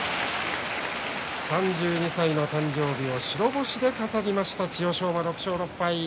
３２歳の誕生日を白星で飾りました千代翔馬６勝６敗。